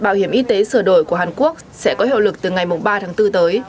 bảo hiểm y tế sửa đổi của hàn quốc sẽ có hiệu lực từ ngày ba tháng bốn tới